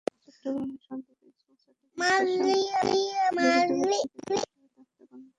চট্টগ্রামের সন্দ্বীপে স্কুলছাত্রীকে হত্যার সঙ্গে জড়িত ব্যক্তিদের গ্রেপ্তারের দাবিতে গতকাল মঙ্গলবার মানববন্ধন হয়েছে।